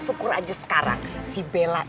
benar benar benar pak saya berhargaku